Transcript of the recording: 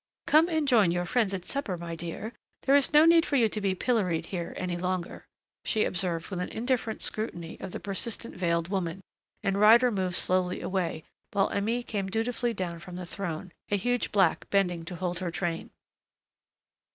"Come and join your friends at the supper, my dear; there is no need for you to be pilloried here any longer," she observed with an indifferent scrutiny of the persistent veiled woman, and Ryder moved slowly away while Aimée came dutifully down from the throne, a huge black bending to hold her train.